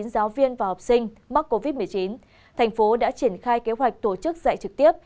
sáu trăm bốn mươi chín giáo viên và học sinh mắc covid một mươi chín thành phố đã triển khai kế hoạch tổ chức dạy trực tiếp